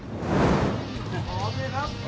หรือหอบนี่ครับ